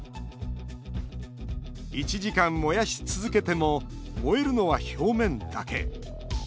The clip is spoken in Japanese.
１時間、燃やし続けても燃えるのは表面だけ。